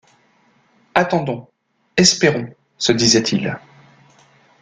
Attendons!... espérons ! se disait-il.